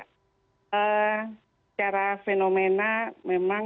secara fenomena memang